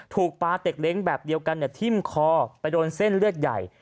ถูกปลาเต็กเล้งแบบเดียวกันทิ้มคอไปโดนเส้นเลือดใหญ่